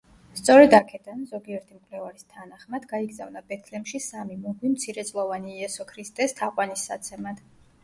სწორედ აქედან, ზოგიერთი მკვლევარის თანახმად, გაიგზავნა ბეთლემში სამი მოგვი მცირეწლოვანი იესო ქრისტეს თაყვანისსაცემად.